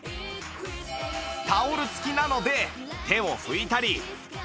タオル付きなので手を拭いたり